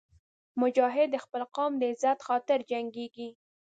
مجاهد د خپل قوم د عزت خاطر جنګېږي.